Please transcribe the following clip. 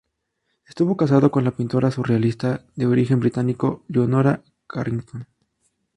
Estuvo casado con la pintora surrealista de origen británico Leonora Carrington.